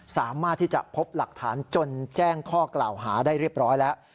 สามารถที่จะพบหลักฐานจนแจ้งข้อกล่าวหาได้เรียบร้อยแล้ว